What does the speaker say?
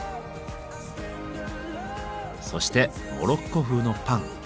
そしてモロッコ風のパン。